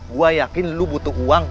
gue yakin lu butuh uang